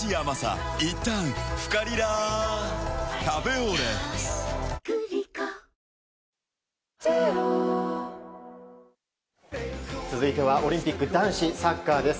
どうか現場の続いてはオリンピック男子サッカーです。